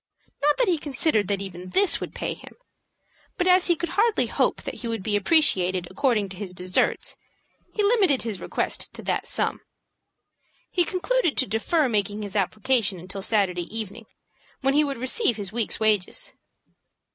Not that he considered that even this would pay him, but as he could hardly hope that he would be appreciated according to his deserts, he limited his request to that sum. He concluded to defer making his application until Saturday evening, when he would receive his week's wages.